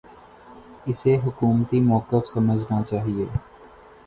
اسے حکومتی موقف سمجھنا چاہیے۔